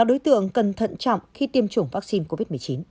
ba đối tượng cần thận trọng khi tiêm chủng vaccine covid một mươi chín